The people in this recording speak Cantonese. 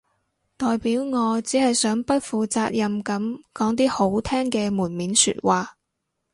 代表我只係想不負責任噉講啲好聽嘅門面說話